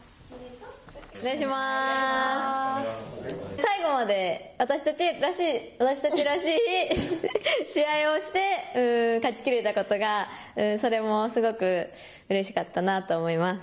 最後まで私たちらしい試合をして勝ちきれたことがそれもすごくうれしかったなと思います。